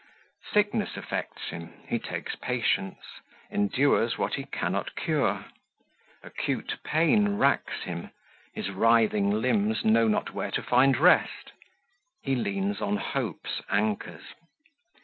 Sickness affects him; he takes patience endures what he cannot cure. Acute pain racks him; his writhing limbs know not where to find rest; he leans on Hope's anchors.